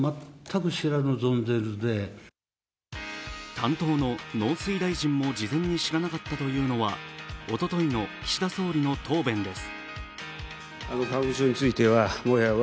担当の農水大臣も事前に知らなかったというのはおとといの岸田総理の答弁です。